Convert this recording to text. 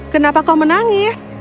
kenapa kau menangis